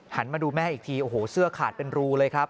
มาดูแม่อีกทีโอ้โหเสื้อขาดเป็นรูเลยครับ